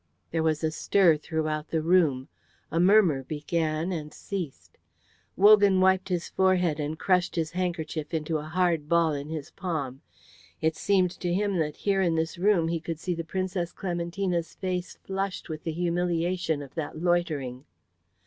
There was a stir throughout the room; a murmur began and ceased. Wogan wiped his forehead and crushed his handkerchief into a hard ball in his palm. It seemed to him that here in this room he could see the Princess Clementina's face flushed with the humiliation of that loitering.